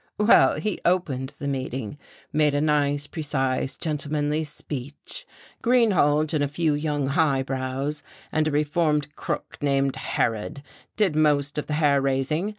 "Well, he opened the meeting, made a nice, precise, gentlemanly speech. Greenhalge and a few young highbrows and a reformed crook named Harrod did most of the hair raising.